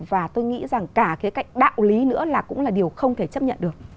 và tôi nghĩ rằng cả cái cạnh đạo lý nữa là cũng là điều không thể chấp nhận được